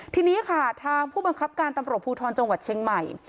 ทีนี้ค่ะทางผู้บังคับการตำรวจภูทรจังหวัดเชียงใหม่